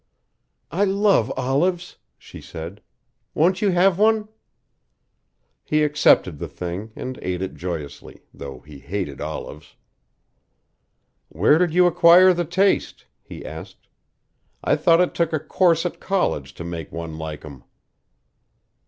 "I love olives," she said. "Won't you have one?" He accepted the thing, and ate it joyously, though he hated olives. "Where did you acquire the taste?" he asked. "I thought it took a course at college to make one like 'em."